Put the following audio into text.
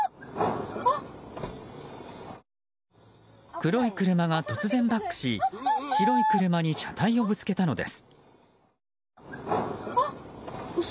黒い車が突然バックし白い車に車体をぶつけたのです。